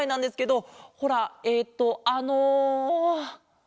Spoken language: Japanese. ほらえっとあの。